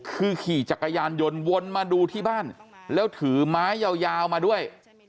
คือขี่จักรยานยนต์วนมาดูที่บ้านแล้วถือไม้ยาวมาด้วย